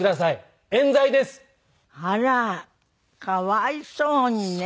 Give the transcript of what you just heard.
あらかわいそうにね。